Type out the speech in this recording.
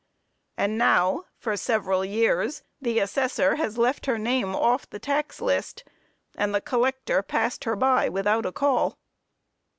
And now, for several years, the assessor has left her name off the tax list, and the collector passed her by without a call.